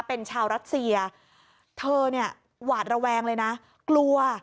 เป็นชาวรัสเซียเธอเนี่ยหวาดระแวงเลยนะกลัว